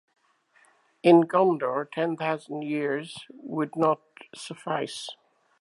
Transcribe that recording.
In Gondor ten thousand years would not suffice.